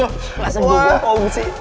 kelasnya gue bohong sih